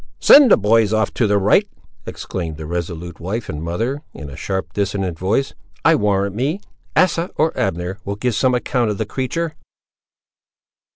"Send the boys off to the right," exclaimed the resolute wife and mother, in a sharp, dissonant voice; "I warrant me, Asa, or Abner will give some account of the creature!"